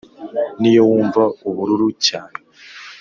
niyo wumva ubururu cyane